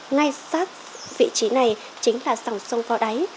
ngay sát vị trí này chính là sòng sông phó đáy